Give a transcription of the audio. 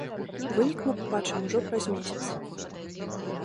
Вынік мы пабачым ужо праз месяц.